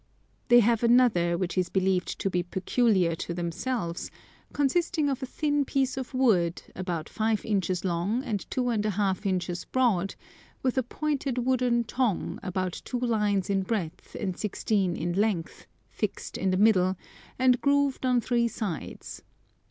They have another, which is believed to be peculiar to themselves, consisting of a thin piece of wood, about five inches long and two and a half inches broad, with a pointed wooden tongue, about two lines in breadth and sixteen in length, fixed in the middle, and grooved on three sides.